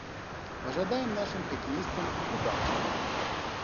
Пажадаем нашым хакеістам удачы!